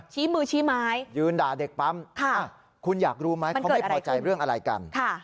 ชี้มือชี้ไม้ยืนด่าเด็กปั๊มคุณอยากรู้ไหมเขาไม่พอใจเรื่องอะไรกัน